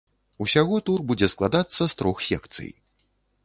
Усяго тур будзе складацца з трох секцый.